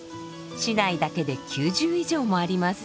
市内だけで９０以上もあります。